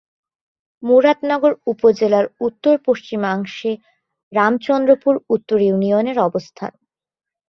মুরাদনগর উপজেলার উত্তর-পশ্চিমাংশে রামচন্দ্রপুর উত্তর ইউনিয়নের অবস্থান।